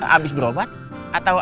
abis berobat atau